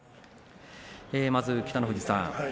まず北の富士さん